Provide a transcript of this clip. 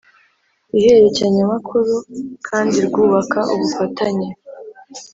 ihererekanyamakuru kandi rwubaka ubufatanye.